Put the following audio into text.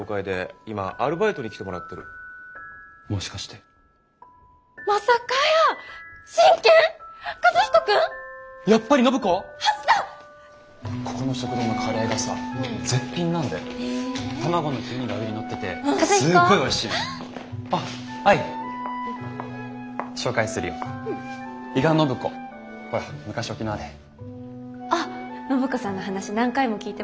あっ暢子さんの話何回も聞いてました。